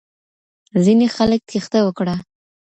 ځینې خلک تیښته وکړه.